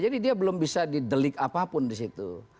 jadi dia belum bisa didelik apapun di situ